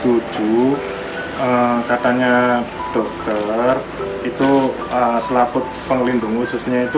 operasi tahun dua ribu tujuh katanya dokter itu selaput pengelindung khususnya itu